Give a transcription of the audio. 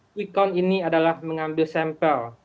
quick count ini adalah mengambil sampel